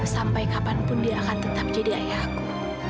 sampai kapanpun dia akan tetap jadi ayah aku